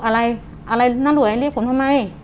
อะไรน่ะลุยเรียกผมทำไม